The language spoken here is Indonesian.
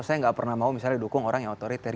saya nggak pernah mau misalnya dukung orang yang otoriter